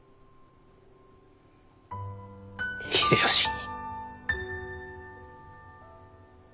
秀吉に。